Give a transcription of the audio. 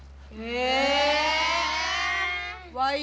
え。